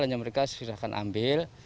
hanya mereka silahkan ambil